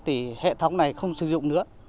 thì hệ thống này không sử dụng nữa